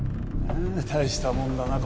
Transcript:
大したもんだな。